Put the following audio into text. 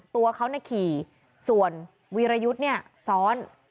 ตัวเขาขี่ส่วนวีรยุทธ์เนี่ยซ้อน